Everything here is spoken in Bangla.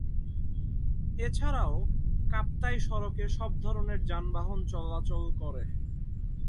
এছাড়াও কাপ্তাই সড়কে সব ধরনের যানবাহন চলাচল করে।